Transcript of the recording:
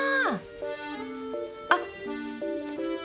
あっ。